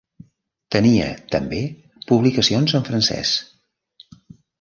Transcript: Tenia també publicacions en francès.